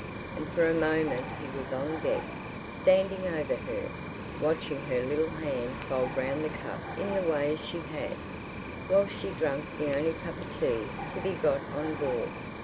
And for a moment he was on deck, standing over her, watching her little hand fold round the cup in the way she had, while she drank the only cup of tea to be got on board....